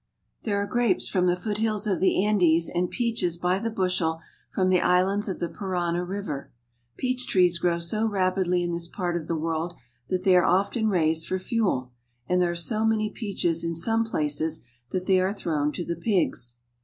There are grapes from the foothills of the Andes, and peaches by the bushel from the islands of the Parana river. Peach trees grow so rapidly in this part of the world that they are often raised for fuel, and there are so many peaches in some places that they are thrown to the pigs.